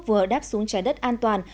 vừa đáp xuống trái đất an toàn